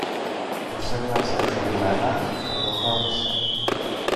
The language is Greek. Τους έγνεψε αφηρημένα και προχώρησε